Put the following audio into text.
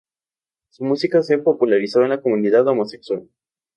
Su música se popularizó en la comunidad homosexual.